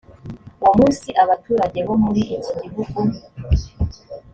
uwo munsi abaturage bo muri iki gihugu